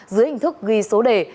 dưới hình thức ghi số đề